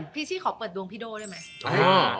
ชี่ขอเปิดดวงพี่โด่ได้ไหม